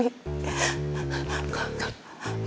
gak gak gak